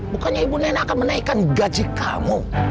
bukannya ibu nenek akan menaikkan gaji kamu